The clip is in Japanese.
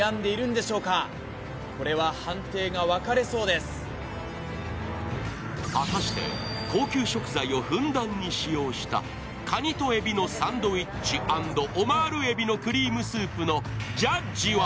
まずは果たして高級食材をふんだんに使用した蟹と海老のサンドイッチ＆オマール海老のクリームスープのジャッジは？